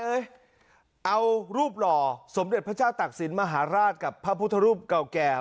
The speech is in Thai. เอ้ยเอารูปหล่อสมเด็จพระเจ้าตักศิลปมหาราชกับพระพุทธรูปเก่าแก่